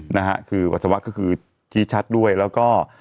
นะฮะคือปัสสาวะก็คือชี้ชัดด้วยแล้วก็